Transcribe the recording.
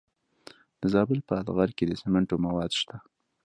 د زابل په اتغر کې د سمنټو مواد شته.